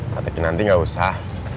kak tekin nanti nggak usah